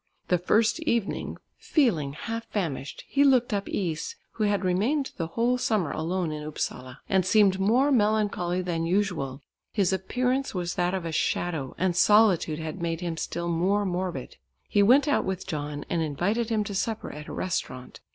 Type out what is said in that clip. The first evening, feeling half famished, he looked up Is, who had remained the whole summer alone in Upsala and seemed more melancholy than usual. His appearance was that of a shadow, and solitude had made him still more morbid. He went out with John and invited him to supper at a restaurant.